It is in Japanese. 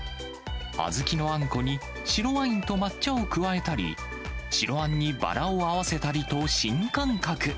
小豆のあんこに白ワインと抹茶を加えたり、白あんにバラを合わせたりと、新感覚。